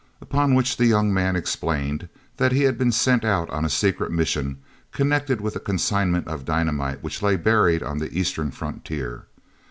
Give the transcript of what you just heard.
Upon which the young man explained that he had been sent out on a secret mission connected with a consignment of dynamite which lay buried on the eastern frontier.